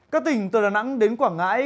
các tỉnh từ đà nẵng đến quảng ngãi